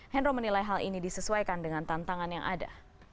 hendro menilai hal ini disesuaikan dengan tantangan yang ada